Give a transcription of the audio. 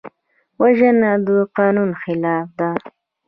وژنه د قانون خلاف ده